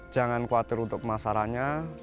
jangan khawatir untuk masyarakatnya